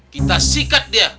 kita sikat dia